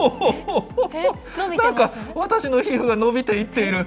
なんか私の皮膚が伸びていっている。